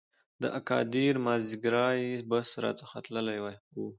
د اګادیر مازیګری بس را څخه تللی و.